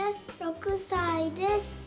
６さいです。